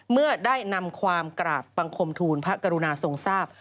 เมื่อได้นำความกราบบังคมทูลพระกรุณาทรงทราบ